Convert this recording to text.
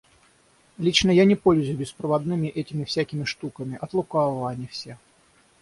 Лично я не пользуюсь беспроводными этими всякими штуками. От лукавого они все.